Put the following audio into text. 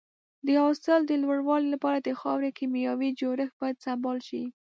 د حاصل د لوړوالي لپاره د خاورې کيمیاوي جوړښت باید سمبال شي.